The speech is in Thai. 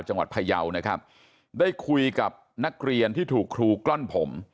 พยาวนะครับได้คุยกับนักเรียนที่ถูกครูกล้อนผม